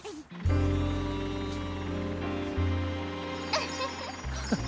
ウフフッ！